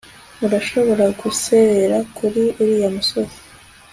urashobora guserera kuri uriya musozi